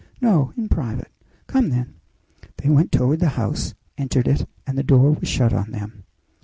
"No; in private." "Come, then." They went toward the house, entered it, and the door was shut on them.